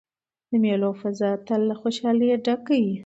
د مېلو فضا تل له خوشحالۍ ډکه يي.